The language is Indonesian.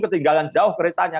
ketinggalan jauh keretanya